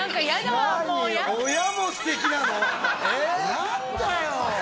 何だよ！